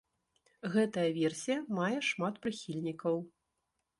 Гэтая версія мае шмат прыхільнікаў.